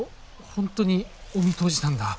本当にお見通しなんだ。